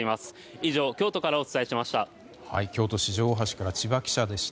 以上、京都からお伝えしました。